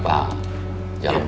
tolong dijaga paham